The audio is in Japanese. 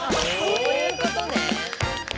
そういうことね！